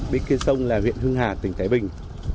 bên kia sông là huyện hưng hà tỉnh thái bình